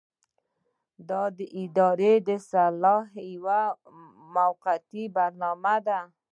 دا د ادارې د اصلاح یوه موقته برنامه ده.